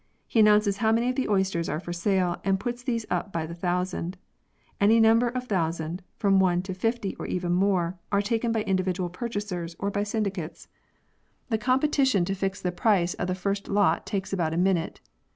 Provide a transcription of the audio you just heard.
He announces how many of the oysters are for sale and puts these up by the thousand. Any number of thousand, from one to fifty or even more, are taken by individual purchasers or by syndicates. vi] A CEYLON PEARL FISHERY 81 The competition to fix the price of the first lot takes about a minute.